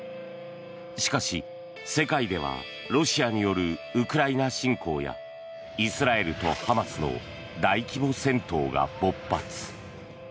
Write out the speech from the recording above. しかし、世界ではロシアによるウクライナ侵攻やイスラエルとハマスの大規模戦闘が勃発。